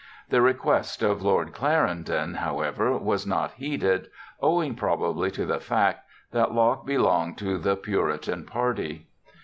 The request of Lord Clarendon, however, was not heeded, owing probably to the fact that Locke belonged to the Puritan party.